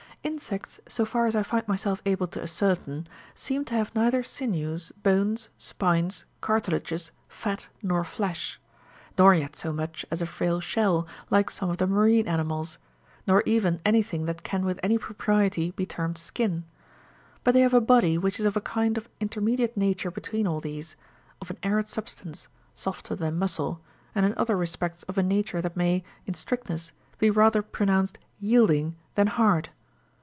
Insects, so far as I find myself able to ascertain, seem to have neither sinews,10 bones, spines, cartilages, fat, nor flesh; nor yet so much as a frail shell, like some of the marine ani mals, nor even anything that can with any propriety be termed skin ; but they have a body which is of a kind of inter mediate nature between all these, of an arid substance, softer than muscle, and in other respects of a nature that may, in strictness, be rather pronounced yielding,11 than hard.